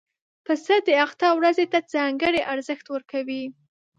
پسه د اختر ورځې ته ځانګړی ارزښت ورکوي.